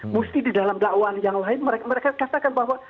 mesti di dalam dakwaan yang lain mereka katakan bahwa